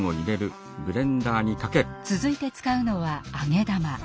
続いて使うのは揚げ玉。